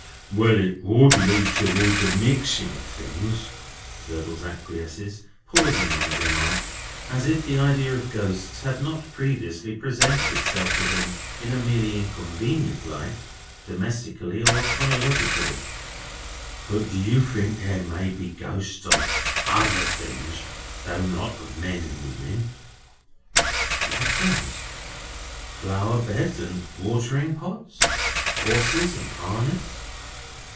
"Well, it would lead towards a mixing of things," Durdles acquiesces: pausing on the remark, as if the idea of ghosts had not previously presented itself to him in a merely inconvenient light, domestically or chronologically. "But do you think there may be Ghosts of other things, though not of men and women?" "What things? Flower beds and watering pots? horses and harness?"